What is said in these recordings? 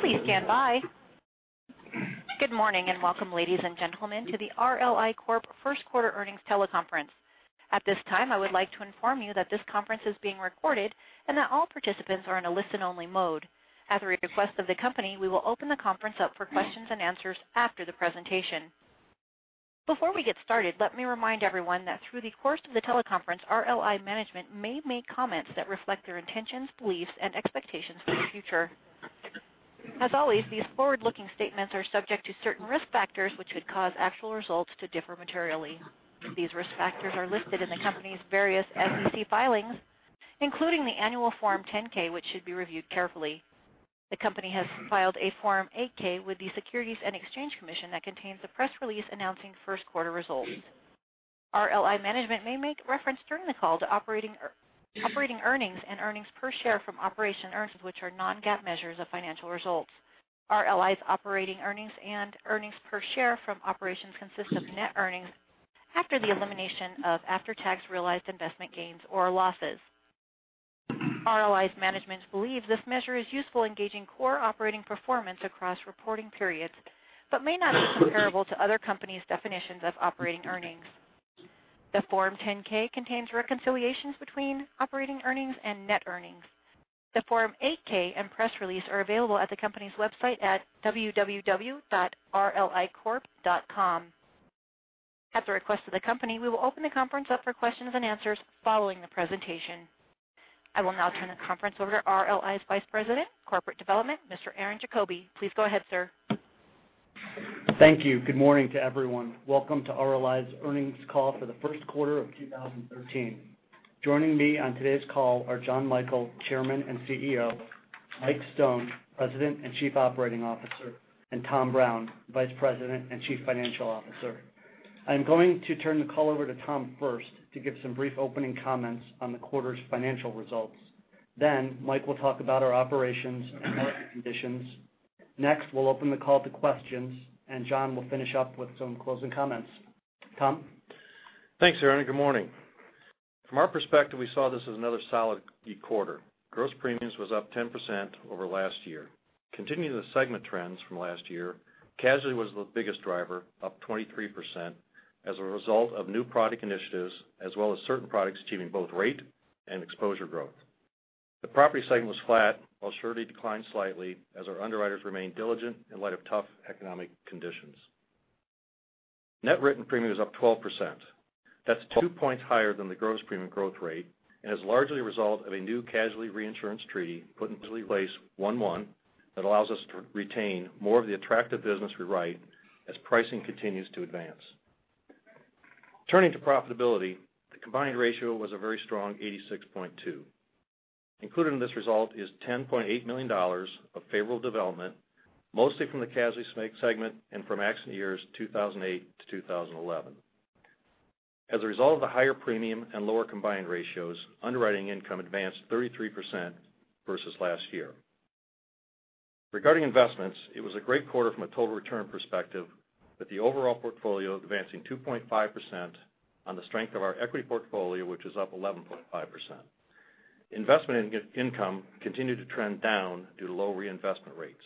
Please stand by. Good morning, welcome, ladies and gentlemen, to the RLI Corp. first quarter earnings teleconference. At this time, I would like to inform you that this conference is being recorded and that all participants are in a listen-only mode. At the request of the company, we will open the conference up for questions and answers after the presentation. Before we get started, let me remind everyone that through the course of the teleconference, RLI management may make comments that reflect their intentions, beliefs, and expectations for the future. As always, these forward-looking statements are subject to certain risk factors which could cause actual results to differ materially. These risk factors are listed in the company's various SEC filings, including the annual Form 10-K, which should be reviewed carefully. The company has filed a Form 8-K with the Securities and Exchange Commission that contains a press release announcing first-quarter results. RLI management may make reference during the call to operating earnings and earnings per share from operating earnings, which are non-GAAP measures of financial results. RLI's operating earnings and earnings per share from operations consist of net earnings after the elimination of after-tax realized investment gains or losses. RLI's management believes this measure is useful in gauging core operating performance across reporting periods but may not be comparable to other companies' definitions of operating earnings. The Form 10-K contains reconciliations between operating earnings and net earnings. The Form 8-K and press release are available at the company's website at www.rlicorp.com. At the request of the company, we will open the conference up for questions and answers following the presentation. I will now turn the conference over to RLI's Vice President of Corporate Development, Mr. Aaron Diefenthaler. Please go ahead, sir. Thank you. Good morning to everyone. Welcome to RLI's earnings call for the first quarter of 2013. Joining me on today's call are John Michael, Chairman and CEO, Mike Stone, President and Chief Operating Officer, Tom Brown, Vice President and Chief Financial Officer. I'm going to turn the call over to Tom first to give some brief opening comments on the quarter's financial results. Mike will talk about our operations and market conditions. Next, we'll open the call to questions, John will finish up with some closing comments. Tom? Thanks, Aaron. Good morning. From our perspective, we saw this as another solid quarter. Gross premiums was up 10% over last year. Continuing the segment trends from last year, casualty was the biggest driver, up 23%, as a result of new product initiatives, as well as certain products achieving both rate and exposure growth. The property segment was flat while surety declined slightly as our underwriters remained diligent in light of tough economic conditions. Net written premium is up 12%. That's two points higher than the gross premium growth rate and is largely a result of a new casualty reinsurance treaty put into place 1/1 that allows us to retain more of the attractive business we write as pricing continues to advance. Turning to profitability, the combined ratio was a very strong 86.2. Included in this result is $10.8 million of favorable development, mostly from the casualty segment and from accident years 2008 to 2011. As a result of the higher premium and lower combined ratios, underwriting income advanced 33% versus last year. Regarding investments, it was a great quarter from a total return perspective, with the overall portfolio advancing 2.5% on the strength of our equity portfolio, which is up 11.5%. Investment income continued to trend down due to low reinvestment rates.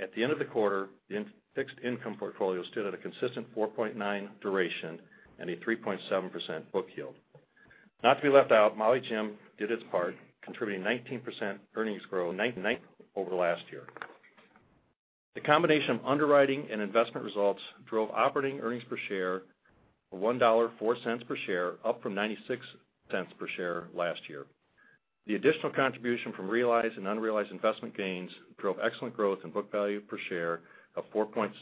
At the end of the quarter, the fixed income portfolio stood at a consistent 4.9 duration and a 3.7% book yield. Not to be left out, Maui Jim did its part, contributing 19% earnings growth over last year. The combination of underwriting and investment results drove operating earnings per share of $1.04 per share, up from $0.96 per share last year. The additional contribution from realized and unrealized investment gains drove excellent growth in book value per share of 4.6%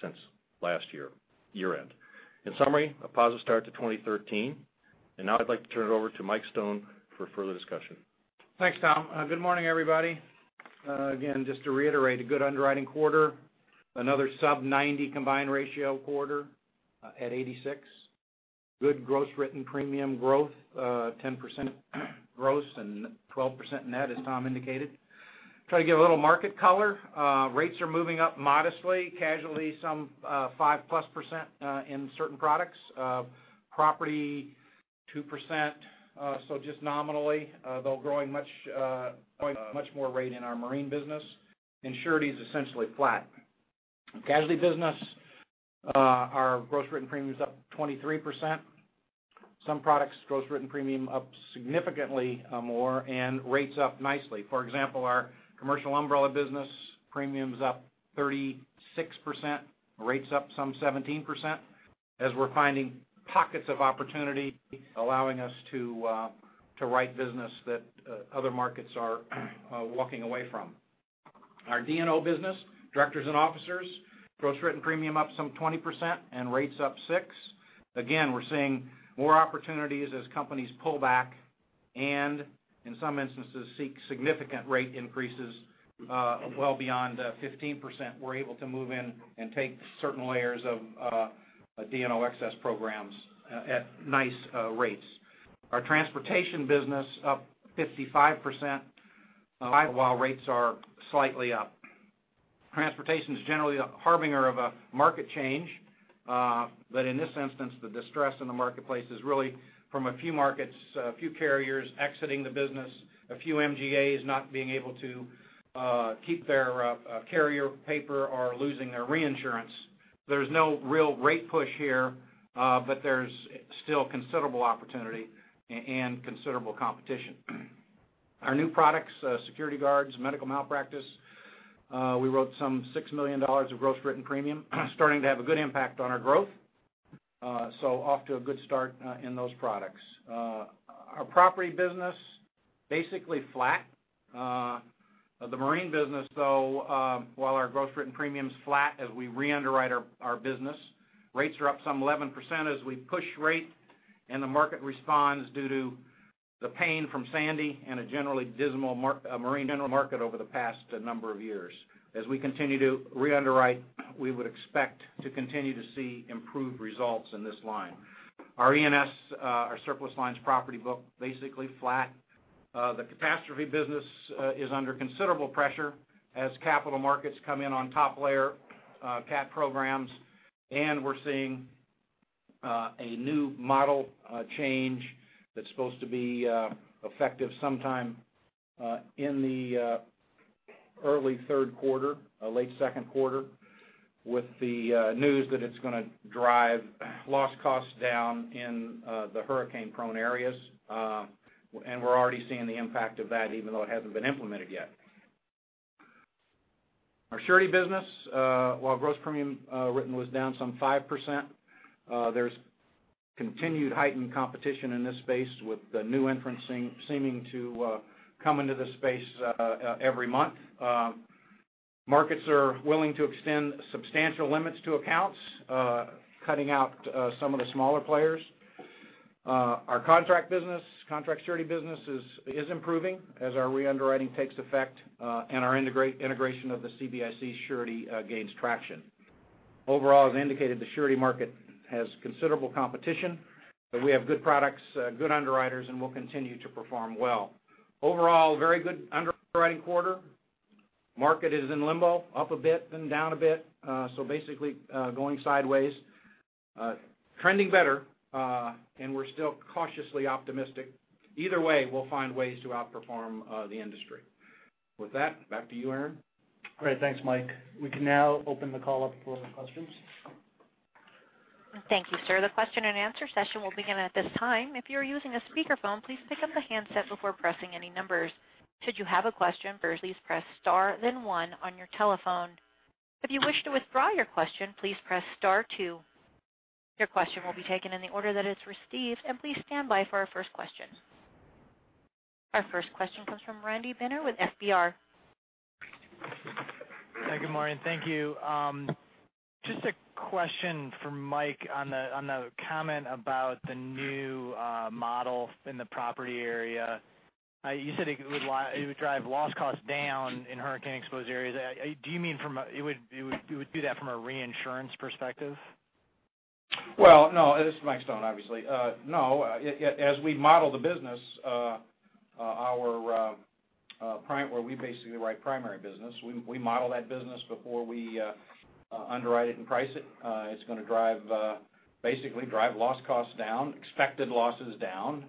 since last year-end. In summary, a positive start to 2013. Now I'd like to turn it over to Michael Stone for further discussion. Thanks, Tom. Good morning, everybody. Again, just to reiterate, a good underwriting quarter. Another sub 90 combined ratio quarter at 86. Good gross written premium growth, 10% gross and 12% net, as Tom indicated. Try to give a little market color. Rates are moving up modestly, casualty some five-plus percent in certain products, property 2%, so just nominally, though growing much more rate in our marine business. Surety is essentially flat. Casualty business, our gross written premium is up 23%. Some products, gross written premium up significantly more and rates up nicely. For example, our commercial umbrella business premium's up 36%, rates up some 17%, as we're finding pockets of opportunity allowing us to write business that other markets are walking away from. Our D&O business, directors and officers, gross written premium up some 20% and rates up 6%. Again, we're seeing more opportunities as companies pull back and, in some instances, seek significant rate increases well beyond 15%. We're able to move in and take certain layers of D&O excess programs at nice rates. Our transportation business up 55%, while rates are slightly up. Transportation is generally a harbinger of a market change. In this instance, the distress in the marketplace is really from a few markets, a few carriers exiting the business, a few MGAs not being able to keep their carrier paper or losing their reinsurance. There's no real rate push here, but there's still considerable opportunity and considerable competition. Our new products, security guards, medical malpractice, we wrote some $6 million of gross written premium, starting to have a good impact on our growth. Off to a good start in those products. Our property business, basically flat. The marine business though, while our gross written premium's flat as we re-underwrite our business, rates are up some 11% as we push rate, and the market responds due to the pain from Hurricane Sandy and a generally dismal marine general market over the past number of years. As we continue to re-underwrite, we would expect to continue to see improved results in this line. Our E&S, our surplus lines property book, basically flat. The catastrophe business is under considerable pressure as capital markets come in on top layer cat programs, and we're seeing a new model change that's supposed to be effective sometime in the early third quarter, late second quarter, with the news that it's going to drive loss costs down in the hurricane-prone areas. We're already seeing the impact of that, even though it hasn't been implemented yet. Our surety business, while gross premium written was down some 5%, there's continued heightened competition in this space with the new entrants seeming to come into this space every month. Markets are willing to extend substantial limits to accounts, cutting out some of the smaller players. Our contract business, contract surety business, is improving as our re-underwriting takes effect, and our integration of the CBIC surety gains traction. Overall, as indicated, the surety market has considerable competition, but we have good products, good underwriters, and we'll continue to perform well. Overall, very good underwriting quarter. Market is in limbo, up a bit, then down a bit, basically going sideways. Trending better, we're still cautiously optimistic. Either way, we'll find ways to outperform the industry. With that, back to you, Aaron. Great. Thanks, Mike. We can now open the call up for questions. Thank you, sir. The question and answer session will begin at this time. If you are using a speakerphone, please pick up the handset before pressing any numbers. Should you have a question, first please press star then one on your telephone. If you wish to withdraw your question, please press star two. Your question will be taken in the order that it's received. Please stand by for our first question. Our first question comes from Randy Binner with FBR. Hi, good morning. Thank you. Just a question for Mike on the comment about the new model in the property area. You said it would drive loss costs down in hurricane exposed areas. Do you mean it would do that from a reinsurance perspective? Well, no. This is Mike Stone, obviously. No. As we model the business, where we basically write primary business, we model that business before we underwrite it and price it. It's going to basically drive loss costs down, expected losses down,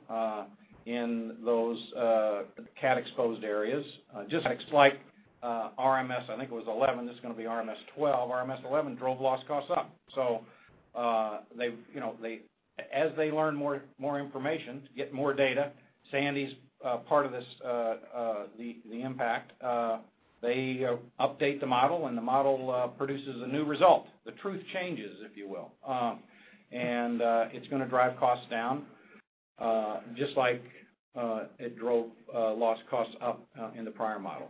in those cat exposed areas. Just like RMS, I think it was 11, this is going to be RMS 12. RMS 11 drove loss costs up. As they learn more information, get more data, Sandy's part of the impact, they update the model, and the model produces a new result. The truth changes, if you will. It's going to drive costs down, just like it drove loss costs up in the prior model.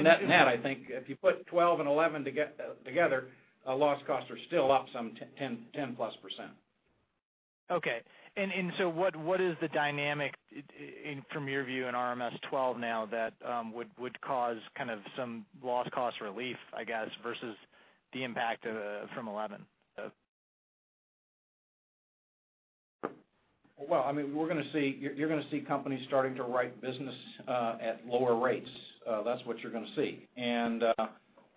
Net, I think if you put 12 and 11 together, loss costs are still up some 10+%. Okay. What is the dynamic, from your view in RMS 12 now, that would cause kind of some loss cost relief, I guess, versus the impact from 11? Well, you're going to see companies starting to write business at lower rates. That's what you're going to see.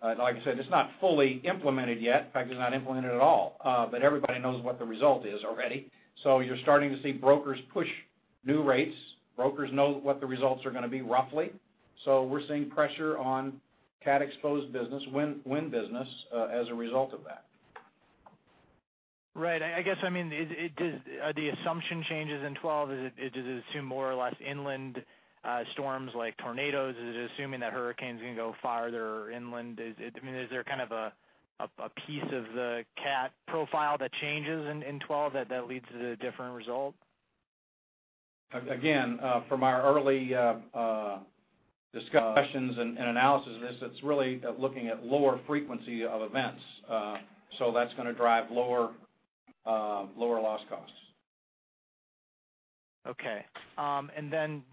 Like I said, it's not fully implemented yet. In fact, it's not implemented at all. Everybody knows what the result is already. You're starting to see brokers push new rates. Brokers know what the results are going to be, roughly. We're seeing pressure on cat exposed business, wind business, as a result of that. Right. I guess, are the assumption changes in 12, does it assume more or less inland storms like tornadoes? Is it assuming that hurricanes are going to go farther inland? Is there kind of a piece of the cat profile that changes in 12 that leads to the different result? Again, from our early discussions and analysis of this, it's really looking at lower frequency of events. That's going to drive lower loss costs. Okay.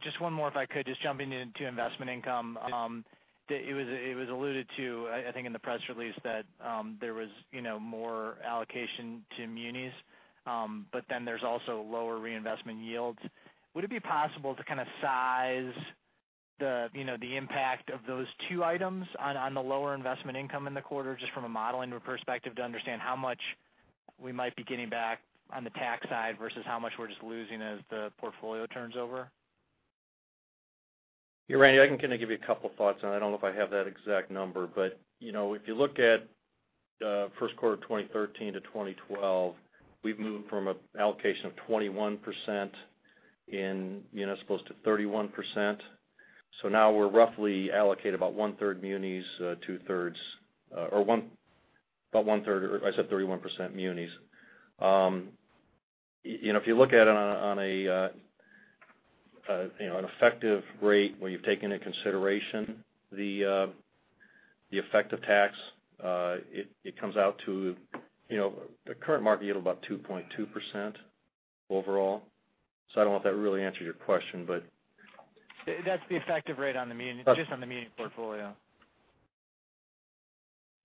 Just one more, if I could, just jumping into investment income. It was alluded to, I think in the press release, that there was more allocation to munis. There's also lower reinvestment yields. Would it be possible to kind of size the impact of those two items on the lower investment income in the quarter, just from a modeling perspective, to understand how much we might be getting back on the tax side versus how much we're just losing as the portfolio turns over. Yeah, Randy, I can kind of give you a couple thoughts on it. I don't know if I have that exact number, but if you look at first quarter of 2013 to 2012, we've moved from an allocation of 21% in munis close to 31%. Now we're roughly allocated about one-third munis, or I said 31% munis. If you look at it on an effective rate where you've taken into consideration the effective tax, it comes out to the current market yield of about 2.2% overall. I don't know if that really answered your question, but. That's the effective rate just on the muni portfolio.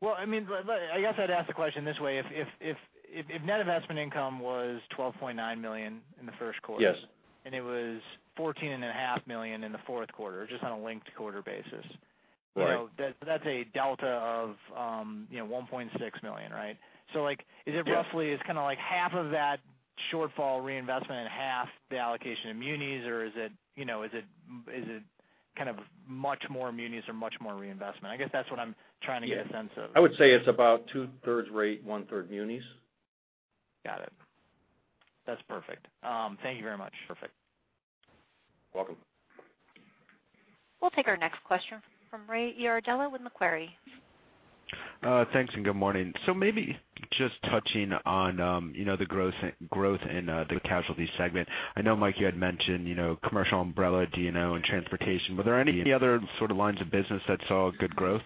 Well, I guess I'd ask the question this way. If net investment income was $12.9 million in the first quarter. Yes It was $14.5 million in the fourth quarter, just on a linked quarter basis. Right That's a delta of $1.6 million, right? Yes Is it roughly, it's kind of like half of that shortfall reinvestment and half the allocation in munis, or is it kind of much more munis or much more reinvestment? I guess that's what I'm trying to get a sense of. I would say it's about two-thirds rate, one-third munis. Got it. That's perfect. Thank you very much. Perfect. Welcome. We'll take our next question from Ray Iardella with Macquarie. Thanks and good morning. Maybe just touching on the growth in the casualty segment. I know, Mike, you had mentioned commercial umbrella, D&O, and transportation. Were there any other sort of lines of business that saw good growth?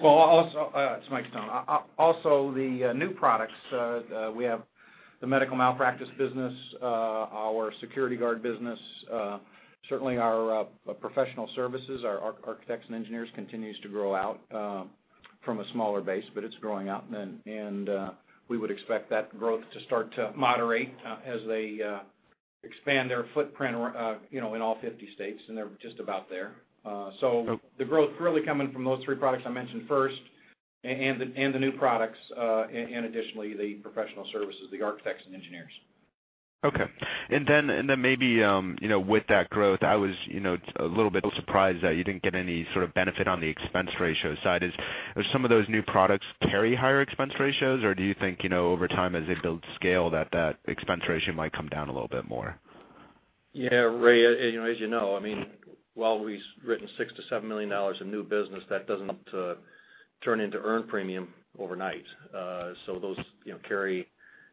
Well, also, it's Michael Stone. Also the new products. We have the medical malpractice business, our security guard business, certainly our professional services, our architects and engineers continues to grow out from a smaller base, but it's growing out. We would expect that growth to start to moderate as they expand their footprint in all 50 states, and they're just about there. The growth really coming from those three products I mentioned first and the new products, and additionally, the professional services, the architects and engineers. Okay. Maybe with that growth, I was a little bit surprised that you didn't get any sort of benefit on the expense ratio side. Do some of those new products carry higher expense ratios, or do you think over time as they build scale that that expense ratio might come down a little bit more? Yeah, Ray, as you know, while we've written $6 million-$7 million in new business, that doesn't turn into earned premium overnight. Those carry,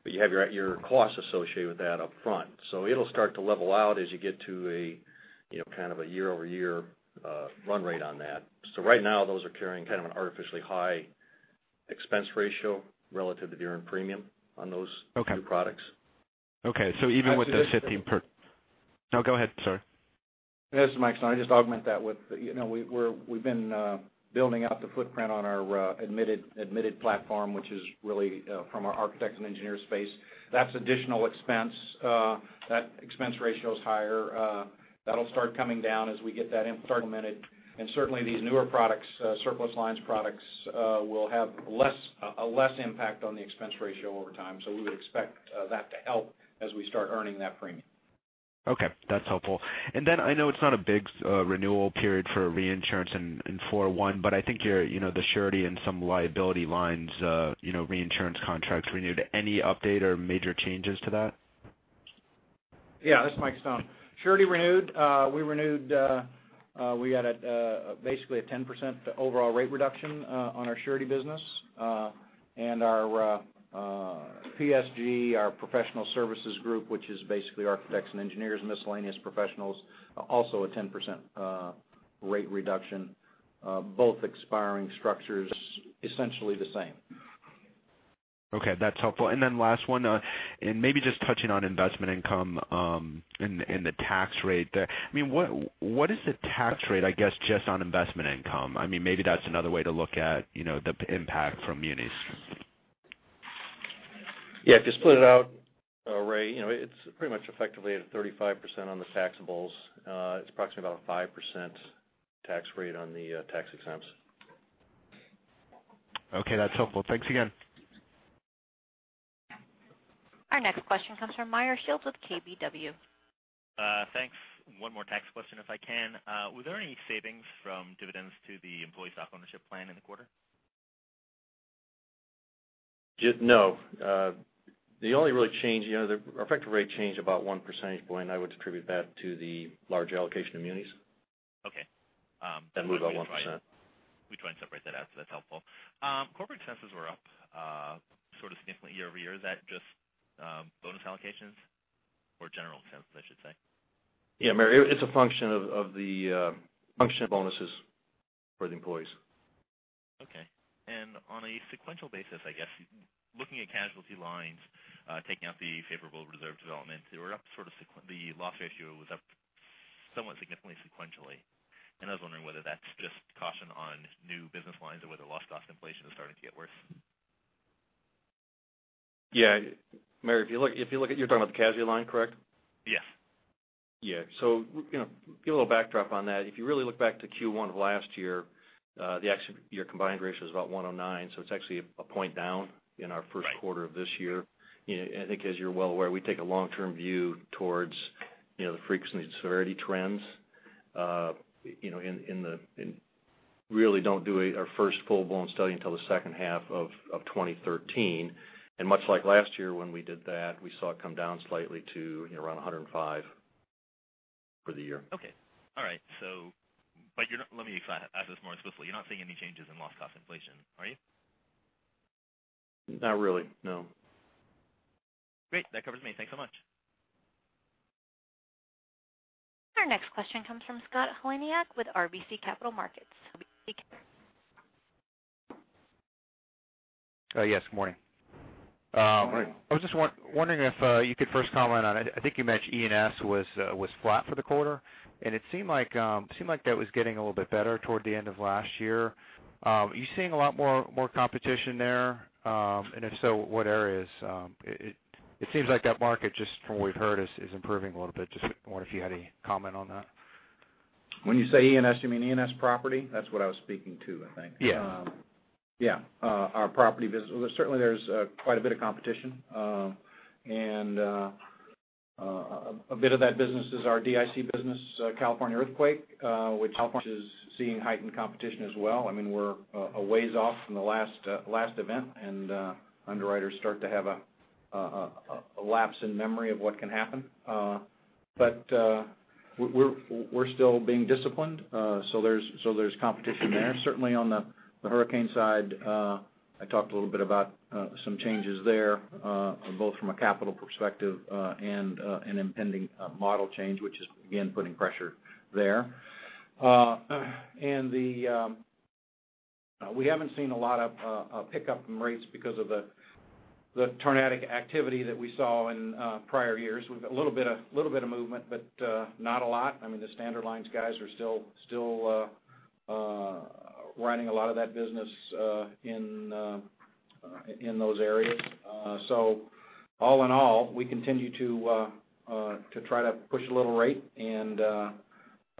but you have your costs associated with that up front. It'll start to level out as you get to a kind of a year-over-year run rate on that. Right now, those are carrying kind of an artificially high expense ratio relative to the earned premium on those. Okay new products. Okay. Even with the 15. No, go ahead, sir. This is Michael Stone. I'd just augment that with we've been building out the footprint on our admitted platform, which is really from our architects and engineers space. That's additional expense. That expense ratio is higher. That'll start coming down as we get that implemented. Certainly, these newer products, surplus lines products, will have a less impact on the expense ratio over time. We would expect that to help as we start earning that premium. Okay, that's helpful. Then I know it's not a big renewal period for reinsurance in 4/1, but I think the surety and some liability lines reinsurance contracts renewed. Any update or major changes to that? This is Michael Stone. Surety renewed. We had basically a 10% overall rate reduction on our surety business. Our PSG, our professional services group, which is basically architects and engineers, miscellaneous professionals, also a 10% rate reduction. Both expiring structures essentially the same. Okay, that's helpful. Last one, maybe just touching on investment income and the tax rate there. What is the tax rate, I guess, just on investment income? Maybe that's another way to look at the impact from munis. Yeah. If you split it out, Ray, it's pretty much effectively at a 35% on the taxables. It's approximately about a 5% tax rate on the tax exempts. Okay, that's helpful. Thanks again. Our next question comes from Meyer Shields with KBW. Thanks. One more tax question if I can. Were there any savings from dividends to the employee stock ownership plan in the quarter? No. The only really change, the effective rate changed about one percentage point. I would attribute that to the large allocation of munis. Okay. Move up 1%. We try and separate that out, so that's helpful. Corporate expenses were up sort of significantly year-over-year. Is that just bonus allocations or general expenses, I should say? Yeah, Meyer, it's a function of bonuses for the employees. Okay. On a sequential basis, I guess, looking at casualty lines, taking out the favorable reserve development, they were up the loss ratio was up somewhat significantly sequentially. I was wondering whether that's just caution on new business lines or whether loss cost inflation is starting to get worse. Yeah. Meyer, you're talking about the casualty line, correct? Yes. Yeah. To give a little backdrop on that, if you really look back to Q1 of last year, your combined ratio is about 109, so it's actually a point down in our first quarter. Right of this year. I think as you're well aware, we take a long-term view towards the frequency and severity trends, and really don't do our first full-blown study until the second half of 2013. Much like last year when we did that, we saw it come down slightly to around 105 for the year. Okay. All right. Let me ask this more explicitly. You're not seeing any changes in loss cost inflation, are you? Not really, no. Great. That covers me. Thanks so much. Our next question comes from Scott Heleniak with RBC Capital Markets. Yes, good morning. Morning. I was just wondering if you could first comment on, I think you mentioned E&S was flat for the quarter, and it seemed like that was getting a little bit better toward the end of last year. Are you seeing a lot more competition there, and if so, what areas? It seems like that market, just from what we've heard, is improving a little bit. I just wonder if you had any comment on that. When you say E&S, you mean E&S property? That's what I was speaking to, I think. Yeah. Yeah. Our property business, certainly there's quite a bit of competition. A bit of that business is our DIC business, California earthquake which is seeing heightened competition as well. We're a ways off from the last event. Underwriters start to have a lapse in memory of what can happen. We're still being disciplined, there's competition there. Certainly on the hurricane side, I talked a little bit about some changes there, both from a capital perspective and an impending model change, which is again putting pressure there. We haven't seen a lot of pickup in rates because of the tornadic activity that we saw in prior years. We've a little bit of movement, but not a lot. The standard lines guys are still running a lot of that business in those areas. All in all, we continue to try to push a little rate and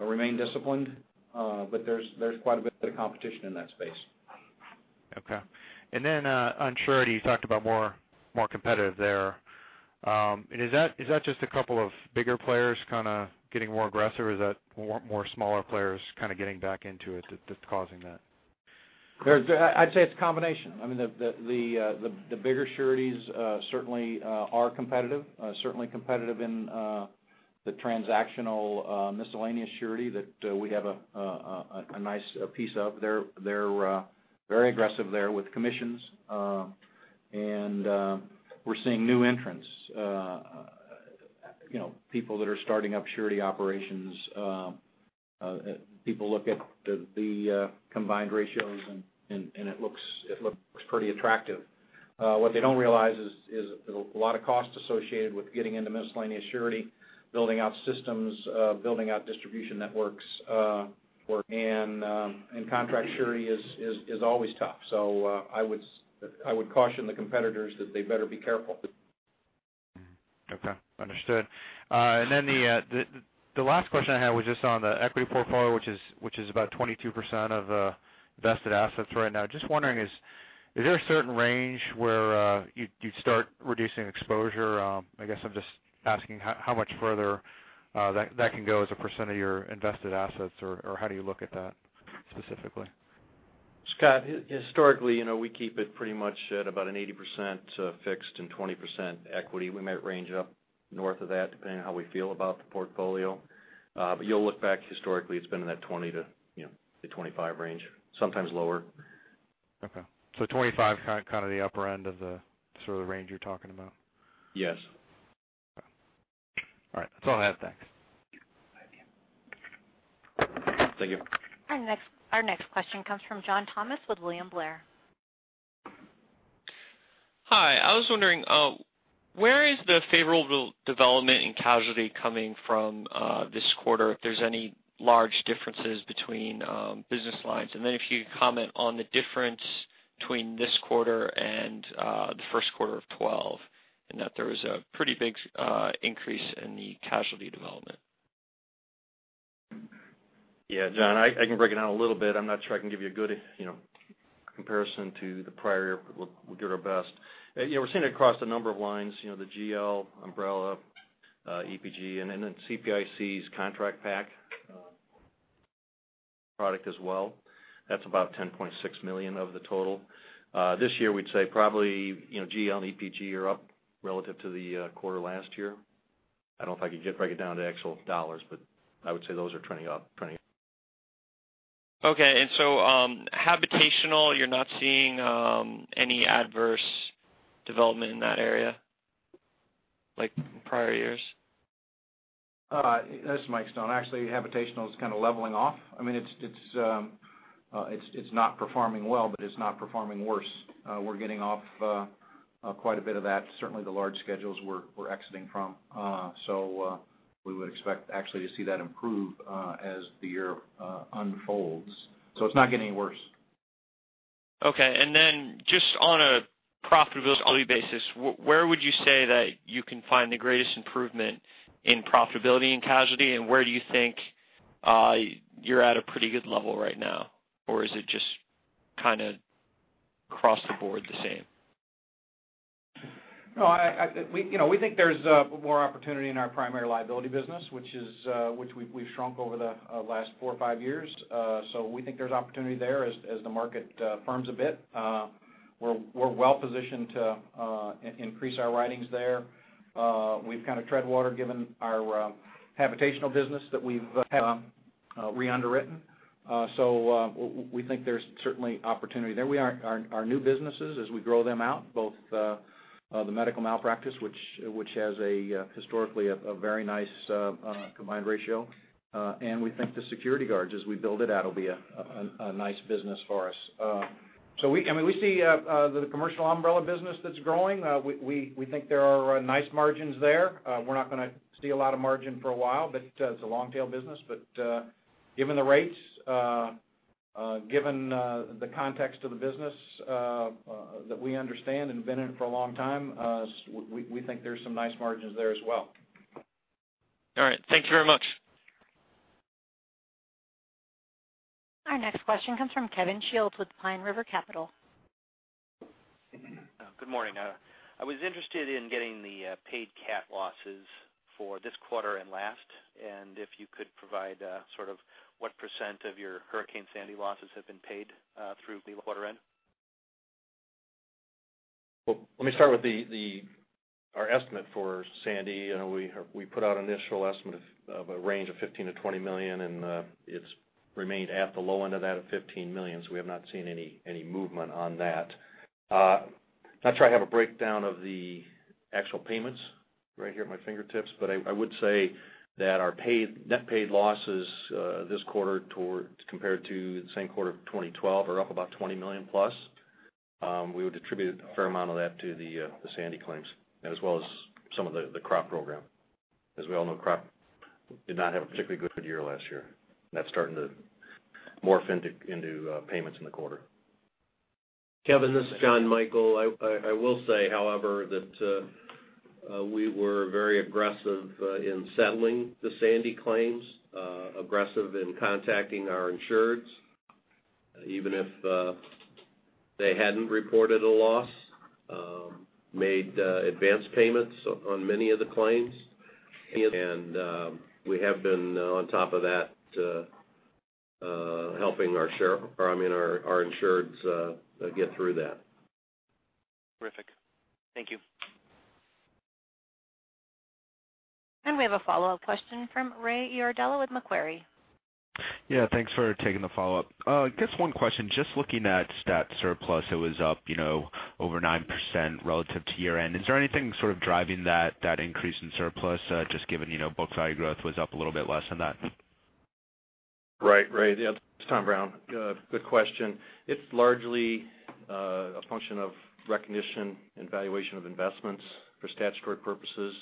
remain disciplined. There's quite a bit of competition in that space. Okay. Then on surety, you talked about more competitive there. Is that just a couple of bigger players kind of getting more aggressive, or is that more smaller players kind of getting back into it that's causing that? I'd say it's a combination. The bigger sureties certainly are competitive, certainly competitive in the transactional miscellaneous surety that we have a nice piece of. They're very aggressive there with commissions. We're seeing new entrants, people that are starting up surety operations. People look at the combined ratios, and it looks pretty attractive. What they don't realize is a lot of costs associated with getting into miscellaneous surety, building out systems, building out distribution networks, and contract surety is always tough. I would caution the competitors that they better be careful. Okay. Understood. The last question I had was just on the equity portfolio, which is about 22% of invested assets right now. Just wondering, is there a certain range where you'd start reducing exposure? I guess I'm just asking how much further that can go as a percent of your invested assets, or how do you look at that specifically? Scott, historically, we keep it pretty much at about an 80% fixed and 20% equity. We might range up north of that depending on how we feel about the portfolio. You'll look back historically, it's been in that 20%-25% range, sometimes lower. Okay. 25, kind of the upper end of the sort of range you're talking about? Yes. All right. That's all I have. Thanks. Thank you. Our next question comes from John Thomas with William Blair. Hi. I was wondering, where is the favorable development in casualty coming from this quarter, if there's any large differences between business lines? Then if you could comment on the difference between this quarter and the first quarter of 2012, in that there was a pretty big increase in the casualty development. John, I can break it down a little bit. I'm not sure I can give you a good comparison to the prior year, but we'll give it our best. We're seeing it across a number of lines. The GL, umbrella, EPG, and then CBIC's contract PAC product as well. That's about $10.6 million of the total. This year we'd say probably GL and EPG are up relative to the quarter last year. I don't know if I could break it down to actual dollars, I would say those are trending up. Okay. Habitational, you're not seeing any adverse development in that area like in prior years? This is Michael Stone. Actually, habitational is kind of leveling off. It's not performing well, it's not performing worse. We're getting off quite a bit of that, certainly the large schedules we're exiting from. We would expect actually to see that improve as the year unfolds. It's not getting any worse. Okay. Just on a profitability basis, where would you say that you can find the greatest improvement in profitability in casualty, where do you think you're at a pretty good level right now? Is it just kind of across the board the same? No, we think there's more opportunity in our primary liability business, which we've shrunk over the last four or five years. We think there's opportunity there as the market firms a bit. We're well positioned to increase our writings there. We've kind of tread water given our habitational business that we've had re-underwritten. We think there's certainly opportunity there. Our new businesses, as we grow them out, both the medical malpractice, which has historically a very nice combined ratio, and we think the security guards, as we build it out, will be a nice business for us. We see the commercial umbrella business that's growing. We think there are nice margins there. We're not going to see a lot of margin for a while, but it's a long-tail business. Given the rates, given the context of the business that we understand and been in it for a long time, we think there's some nice margins there as well. All right. Thank you very much. Our next question comes from Kevin Shields with Pine River Capital. Good morning. I was interested in getting the paid cat losses for this quarter and last, and if you could provide sort of what % of your Hurricane Sandy losses have been paid through the quarter end. Well, let me start with our estimate for Sandy. We put out an initial estimate of a range of $15 million-$20 million, and it's remained at the low end of that at $15 million. We have not seen any movement on that. Not sure I have a breakdown of the actual payments right here at my fingertips, but I would say that our net paid losses this quarter compared to the same quarter of 2012 are up about $20 million+. We would attribute a fair amount of that to the Sandy claims, as well as some of the crop program. As we all know, crop did not have a particularly good year last year. That's starting to morph into payments in the quarter. Kevin, this is Jonathan Michael. I will say, however, that we were very aggressive in settling the Sandy claims, aggressive in contacting our insureds, even if they hadn't reported a loss, made advanced payments on many of the claims, and we have been on top of that, helping our insureds get through that. Terrific. Thank you. We have a follow-up question from Ray Iardella with Macquarie. Yeah, thanks for taking the follow-up. Just one question. Just looking at stat surplus, it was up over 9% relative to year-end. Is there anything sort of driving that increase in surplus, just given book value growth was up a little bit less than that? Right, Ray. It's Tom Brown. Good question. It's largely a function of recognition and valuation of investments for statutory purposes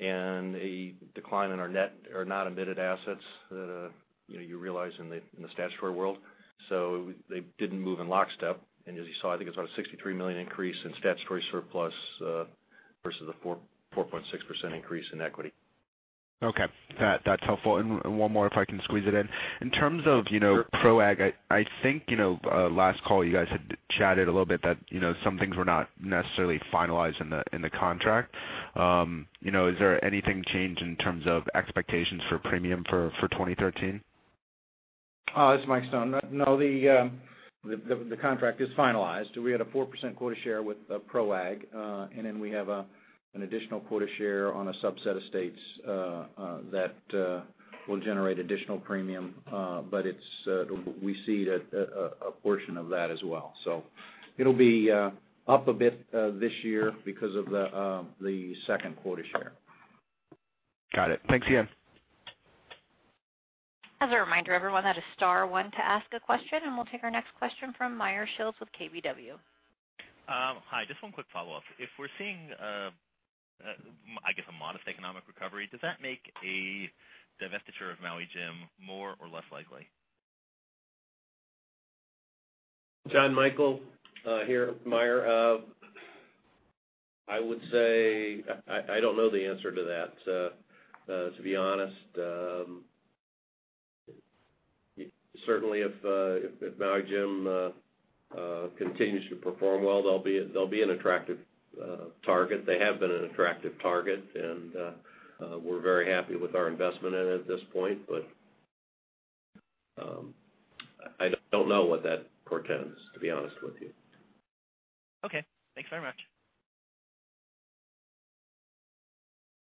and a decline in our not admitted assets that you realize in the statutory world. They didn't move in lockstep. As you saw, I think it's about a $63 million increase in statutory surplus versus the 4.6% increase in equity. Okay. That's helpful. One more, if I can squeeze it in. In terms of ProAg, I think last call you guys had chatted a little bit that some things were not necessarily finalized in the contract. Has there anything changed in terms of expectations for premium for 2013? This is Michael Stone. No, the contract is finalized. We had a 4% quota share with ProAg. We have an additional quota share on a subset of states that will generate additional premium. We cede a portion of that as well. It'll be up a bit this year because of the second quota share. Got it. Thanks again. As a reminder, everyone, that is star one to ask a question. We'll take our next question from Meyer Shields with KBW. Hi, just one quick follow-up. If we're seeing, I guess, a modest economic recovery, does that make a divestiture of Maui Jim more or less likely? Jonathan Michael here, Meyer. I would say I don't know the answer to that, to be honest. Certainly if Maui Jim continues to perform well, they'll be an attractive target. They have been an attractive target, and we're very happy with our investment in it at this point. I don't know what that portends, to be honest with you. Okay. Thanks very much.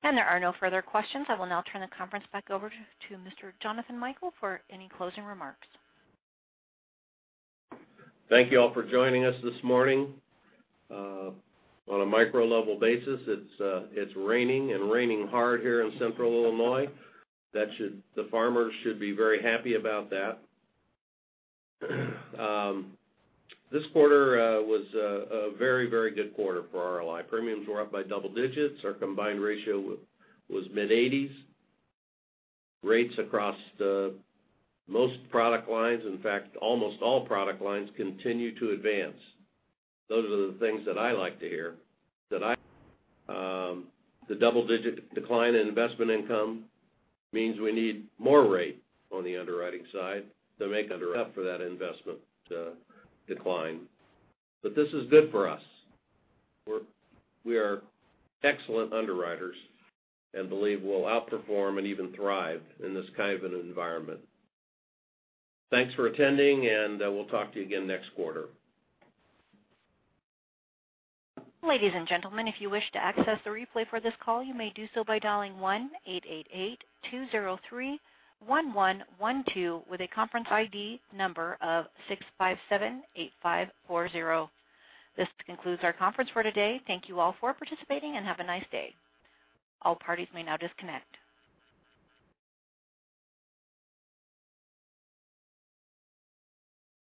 There are no further questions. I will now turn the conference back over to Mr. Jonathan Michael for any closing remarks. Thank you all for joining us this morning. On a micro level basis, it's raining and raining hard here in central Illinois. The farmers should be very happy about that. This quarter was a very good quarter for RLI. Premiums were up by double digits. Our combined ratio was mid-80s. Rates across most product lines, in fact, almost all product lines continue to advance. Those are the things that I like to hear. The double-digit decline in investment income means we need more rate on the underwriting side to make up for that investment decline. This is good for us. We are excellent underwriters and believe we'll outperform and even thrive in this kind of an environment. Thanks for attending, and we'll talk to you again next quarter. Ladies and gentlemen, if you wish to access the replay for this call, you may do so by dialing 1-888-203-1112 with a conference ID number of 6578540. This concludes our conference for today. Thank you all for participating and have a nice day. All parties may now disconnect.